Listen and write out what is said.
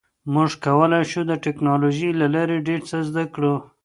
موږ کولی شو د ټکنالوژۍ له لارې ډیر څه زده کړو.